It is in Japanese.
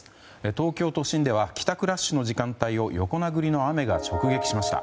東京都心では帰宅ラッシュの時間帯を横殴りの雨が直撃しました。